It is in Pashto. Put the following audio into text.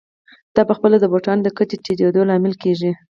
دا په خپله د بوټانو د کچې ټیټېدو لامل کېږي